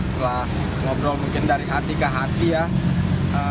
setelah ngobrol mungkin dari hati ke hati ya